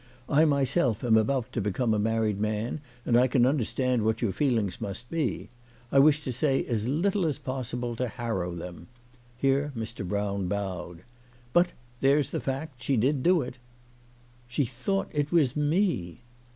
I myself am about to become a married man, and I can understand what your feelings must be. I wish to say as little as possible to harrow them." Here Mr. Brown bowed. " But, there's the fact. She did do it." " She thought it was me